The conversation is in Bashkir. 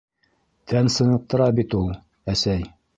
- Тән сыныҡтыра бит ул, әсәй.